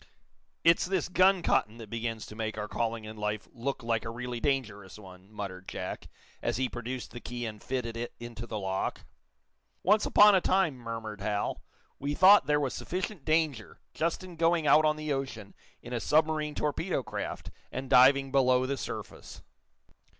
"It's this gun cotton that begins to make our calling in life look like a really dangerous one," muttered Jack, as he produced the key and fitted it into the lock. "Once upon a time," murmured Hal, "we thought there was sufficient danger, just in going out on the ocean in a submarine torpedo craft, and diving below the surface."